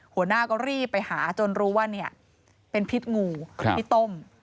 หัวหน้าก็รีบไปหาจนรู้ว่าเนี่ยเป็นพิษงูพิตม